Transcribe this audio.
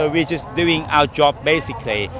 เราทำงานแบบนั้น